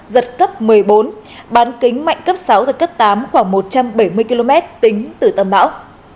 giật cấp một mươi bốn bán kính mạnh cấp sáu giật cấp tám khoảng một trăm bảy mươi km tính từ tâm bão